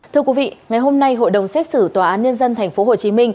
thưa quý vị ngày hôm nay hội đồng xét xử tòa án nhân dân tp hcm